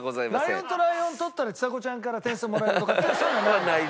ライオンとライオン取ったらちさ子ちゃんから点数もらえるとかってそういうのはない？